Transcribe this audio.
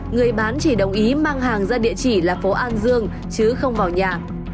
người bán chỉ đồng ý mang hàng ra địa chỉ là phố an dương chứ không vào nhà